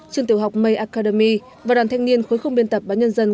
trường tiểu học may academy và đoàn thanh niên khối không biên tập báo nhân dân